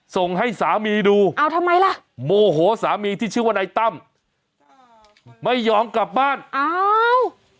ส่งให้สามีดูโมโหสามีที่ชื่อว่าในตั้มไม่ยอมกลับบ้านอ้าว